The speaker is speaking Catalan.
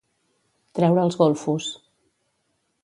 Treure els golfos.